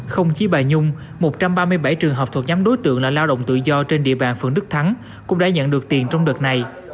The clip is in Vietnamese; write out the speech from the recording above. không chỉ bà nhung một trăm ba mươi bảy trường hợp thuộc nhóm đối tượng là lao động tự do trên địa bàn phượng đức thắng cũng đã nhận được tiền trong đợt này